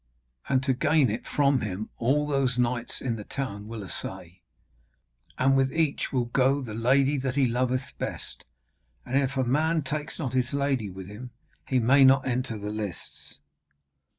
And to gain it from him all those knights in the town will essay. And with each will go the lady that he loveth best, and if a man takes not his lady with him he may not enter the lists.'